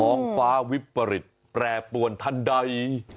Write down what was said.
ท้องฟ้าวิปริตแปรปวนทันใด